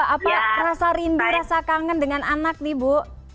apa rasa rindu rasa kangen dengan anak nih bu